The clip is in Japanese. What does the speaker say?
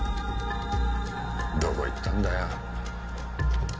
どこ行ったんだよ。